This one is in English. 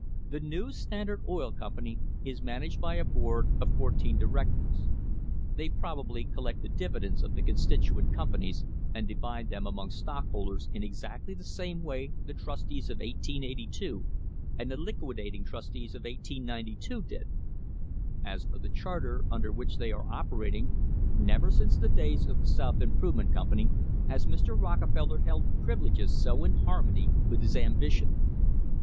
The new Standard Oil Company is managed by a board of fourteen directors.:}: They probably collect the dividends of the constituent companies and divide them among stock holders in exactly the same way the trustees of 1882 and the liquidating trustees of 1892 did. As for the charter under which they are operating, never since the days of the South Improvement Company has Mr. Rockefeller held privileges so in harmony with his ambition.